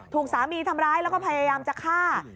ถูกสามีทำร้ายแล้วก็พยายามจะฆ่า